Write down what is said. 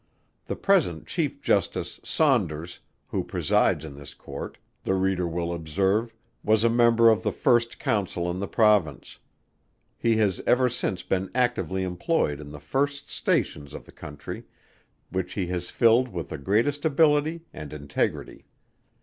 The present Chief Justice SAUNDERS, who presides in this Court, the reader will observe, was a Member of the first Council in the Province. He has ever since been actively employed in the first stations in the country, which he has filled with the greatest ability and integrity.